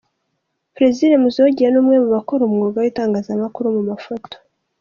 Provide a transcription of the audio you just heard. Plaisir Muzogeye ni umwe mu bakora umwuga w'itangazamakuru mu mafoto.